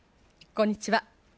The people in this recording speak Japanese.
こんにちは。